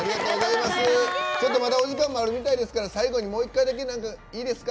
まだお時間もあるみたいですから最後に、もう一回だけいいですか？